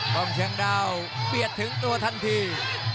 กล้องเชียงดาวเบียดถึงตัวทันที